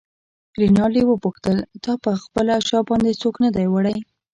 رینالډي وپوښتل: تا پر خپله شا باندې څوک نه دی وړی؟